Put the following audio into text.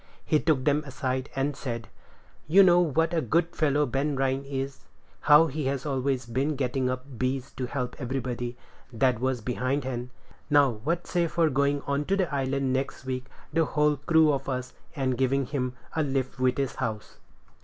He took them aside, and said, "You know what a good fellow Ben Rhines is; how he has always been getting up 'bees' to help everybody that was behindhand: now, what say for going on to the island next week, the whole crew of us, and giving him a lift with his house?"